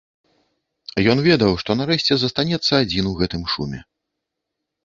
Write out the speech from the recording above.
Ён ведаў, што нарэшце застанецца адзін у гэтым шуме.